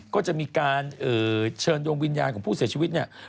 ก็จะมีการเชิญดวงวิญญาณของผู้เสียชีวิตเนี่ย